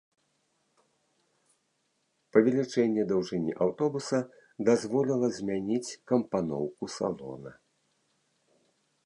Павелічэнне даўжыні аўтобуса дазволіла змяніць кампаноўку салона.